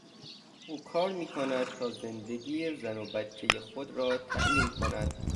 او کار میکند تا زندگی زن و بچهی خود را تامین کند.